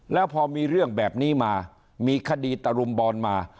แล้วพอมีเรื่องแบบนี้มามีคดีตรุมบอลมา